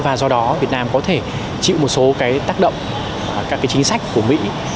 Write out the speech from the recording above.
và do đó việt nam có thể chịu một số cái tác động các chính sách của mỹ